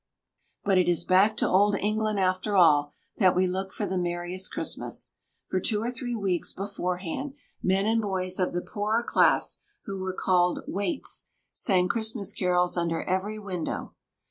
But it is back to Old England, after all, that we look for the merriest Christmas. For two or three weeks beforehand, men and boys of the poorer class, who were called "waits," sang Christmas carols under every window.